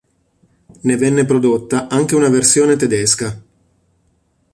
Ne venne prodotta anche una versione tedesca.